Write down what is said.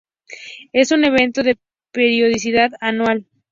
Es un evento de periodicidad anual.